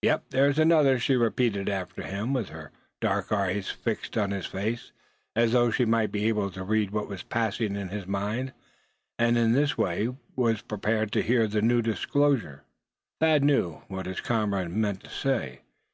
"Yep, they's another," she repeated after him, with her dark eyes fixed on his face, as though she might be able to read what was passing in his mind, and in this way was prepared to hear his new disclosure. Thad knew what his comrade meant to say.